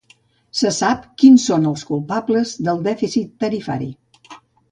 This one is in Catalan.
Se sap quins són els culpables del dèficit tarifari.